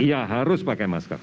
iya harus pakai masker